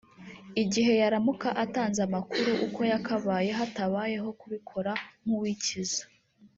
igihe yaramuka atanze amakuru uko yakabaye hatabayeho kubikora nk’uwikiza